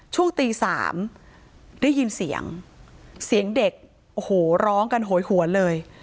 ช่วงตีสามได้ยินเสียงเสียงเด็กโอ้โหร้องกันโหยหวนเลย